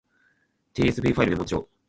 tsv ファイルメモ帳